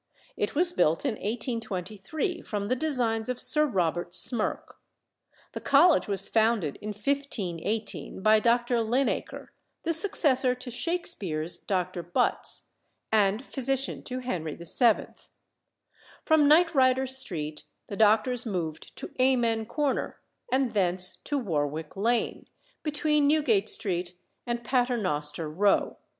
It was built in 1823 from the designs of Sir Robert Smirke. The college was founded in 1518 by Dr. Linacre, the successor to Shakspeare's Dr. Butts, and physician to Henry VII. From Knightrider Street the doctors moved to Amen Corner, and thence to Warwick Lane, between Newgate Street and Paternoster Row.